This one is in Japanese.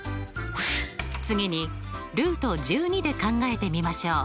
次にで考えてみましょう。